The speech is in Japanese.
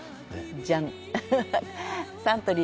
ジャン。